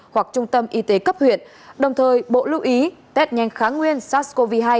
hoặc trung tâm y tế cấp huyện đồng thời bộ lưu ý tết nhanh kháng nguyên sars cov hai